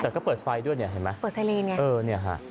แต่ก็เปิดไฟด้วยเนี่ยเห็นไหมเปิดไซเลนไงเออเนี่ยฮะ